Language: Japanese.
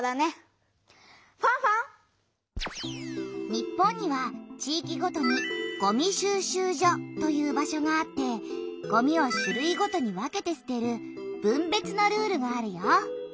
日本には地いきごとにごみ収集所という場所があってごみを種類ごとに分けてすてる分別のルールがあるよ。